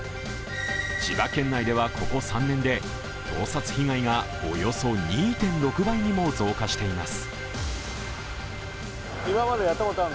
千葉県内ではここ３年で盗撮被害がおよそ２．６倍にも増加しています。